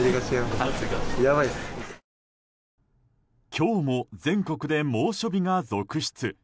今日も全国で猛暑日が続出。